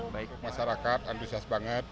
baik masyarakat antusias banget